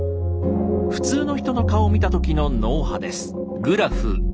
普通の人の顔を見た時の脳波です。